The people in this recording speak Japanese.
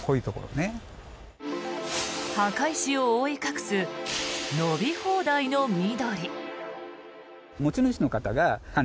墓石を覆い隠す伸び放題の緑。